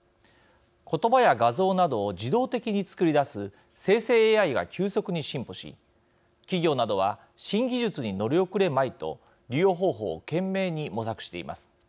言葉や画像などを自動的に作り出す生成ＡＩが急速に進歩し、企業などは新技術に乗り遅れまいと利用方法を懸命に模索しています。